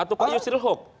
atau pak yusril hukum